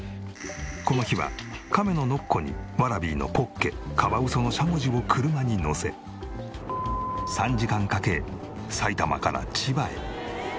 この日はカメのノッコにワラビーのポッケカワウソのしゃもじを車に乗せ３時間かけ埼玉から千葉へ。